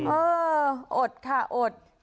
เอออดค่ะอด